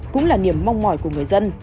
cũng là niềm mong mỏi của người dân